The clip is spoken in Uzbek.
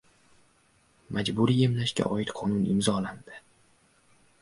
Majburiy emlashga oid qonun imzolandi